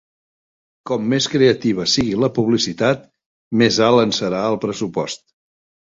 Com més creativa sigui la publicitat, més alt en serà el pressupost.